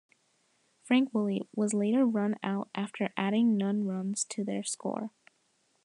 Frank Woolley, was later run out after adding none runs to their score.